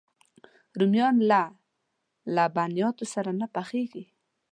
رومیان له لبنیاتو سره نه پخېږي